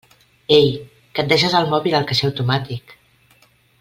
Ei, que et deixes el mòbil al caixer automàtic!